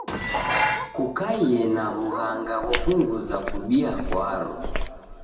Kukaie na w'ughanga ghopunguza kubia kwaro.